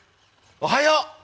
おはよう！